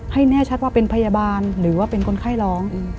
ให้แน่ชัดว่าเป็นพยาบาลหรือว่าเป็นคนไข้ร้อง